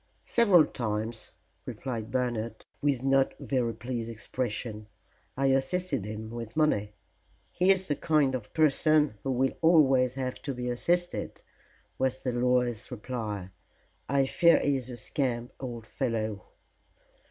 "Several times," replied Bernard, with no very pleased expression. "I assisted him with money." "He is the kind of person who will always have to be assisted," was the lawyer's reply. "I fear he is a scamp, old fellow."